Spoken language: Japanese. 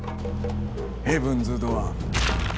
ヘブンズ・ドアー。